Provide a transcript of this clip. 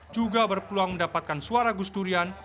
juga berpeluang mendapatkan suara gusdurian